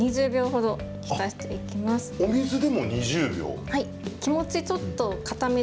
お水でも２０秒？